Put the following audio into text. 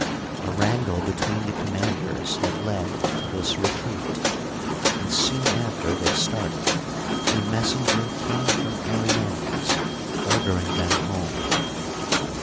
A wrangle between the commanders had led to this retreat, and soon after they started a messenger came from Aryandes ordering them home.